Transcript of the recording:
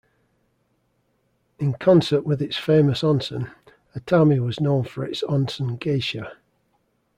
In concert with its famous onsen, Atami was known for its onsen geisha.